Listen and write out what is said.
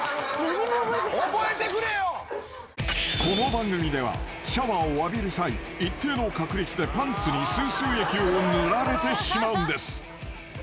［この番組ではシャワーを浴びる際一定の確率でパンツにスースー液を塗られてしまうんです］